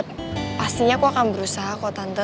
pastinya aku akan berusaha kok tante